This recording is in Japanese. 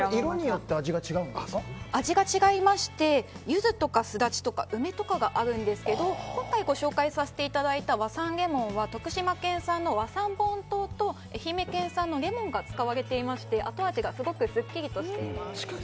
味が違いましてユズとかスダチとか梅とかがあるんですけど今回ご紹介させていただいた和三れもんは徳島県産の和三盆糖と愛媛県産のレモンが使われていまして後味がすごくすっきりとしています。